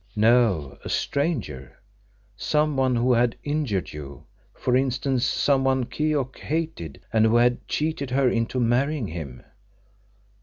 "No. A stranger. Someone who had injured you, for instance; someone Keok hated, and who had cheated her into marrying him."